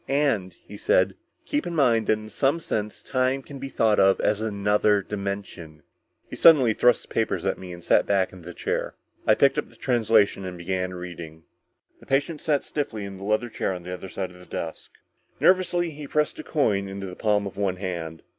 "And," he said, "keep in mind that in some sense time can be thought of as another dimension." He suddenly thrust the papers at me and sat back in the chair. I picked up the translation and began reading. The patient sat stiffly in the leather chair on the other side of the desk. Nervously he pressed a coin into the palm of one hand.